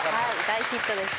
大ヒットです。